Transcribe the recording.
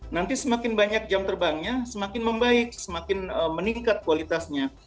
nanti semakin banyak jam terbangnya semakin membaik semakin meningkat kualitasnya